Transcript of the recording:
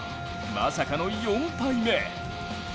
まさかの４敗目。